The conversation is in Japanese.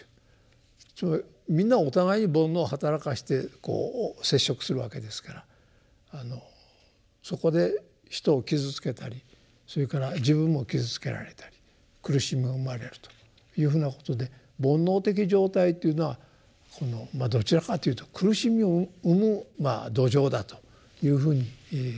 つまりみんなお互いに煩悩をはたらかしてこう接触するわけですからそこで人を傷つけたりそれから自分も傷つけられたり苦しみが生まれるというふうなことで煩悩的状態っていうのはどちらかというと苦しみを生む土壌だというふうに考えていいと思うんですね。